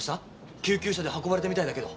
救急車で運ばれたみたいだけど。